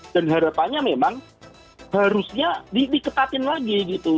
dan harapannya memang harusnya diketatin lagi gitu